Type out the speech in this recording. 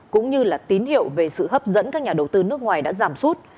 cũng như là tín hiệu về sự hấp dẫn các nhà đầu tư nước ngoài đã giảm sút